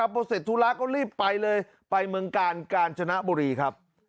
พอเสร็จธุระก็รีบไปเลยไปเมืองกาลกาญจนบุรีครับ